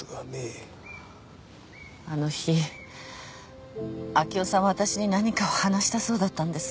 あの日明生さんは私に何かを話したそうだったんです。